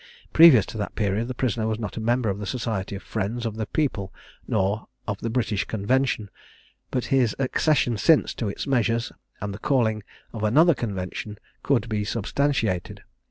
Previous to that period, the prisoner was not a member of the Society of Friends of the People, nor of the British Convention; but his accession since to its measures, and the calling of another Convention, could be substantiated.